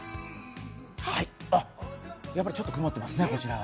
やっぱりちょっと曇っていますね、こちらは。